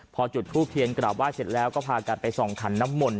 พอจุดทูปเทียนกราบไห้เสร็จแล้วก็พากันไปส่องขันน้ำมนต